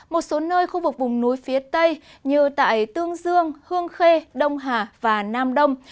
một số nơi khu vực vùng núi phía tây như tại tương dương hương khê đông hà và nam đông